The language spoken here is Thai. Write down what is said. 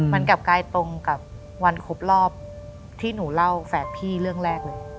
มันกลับกลายตรงกับวันครบรอบที่หนูเล่าแฝดพี่เรื่องแรกเลย